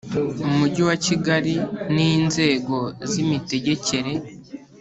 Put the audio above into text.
Umujyi wa Kigali ni inzego z imitegekere